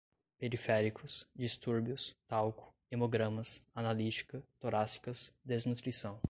periféricos, distúrbios, talco, hemogramas, analítica, torácicas, desnutrição